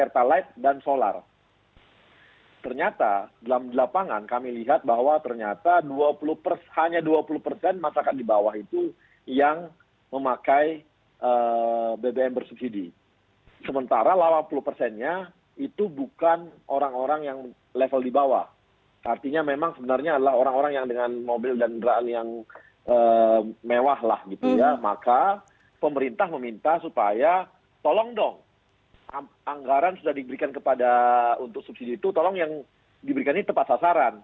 tolong dong anggaran sudah diberikan kepada untuk subsidi itu tolong yang diberikan ini tepat sasaran